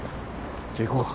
じゃあ行こうか。